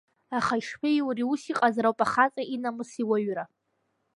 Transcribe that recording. Аха ишԥеиури, ус иҟазароуп ахаҵа инамыс, иуаҩра.